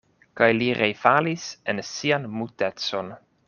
Kaj li refalis en sian mutecon.